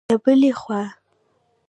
له بلې خوا